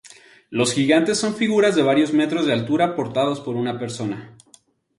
Los gigantes son figuras de varios metros de altura portados por una persona.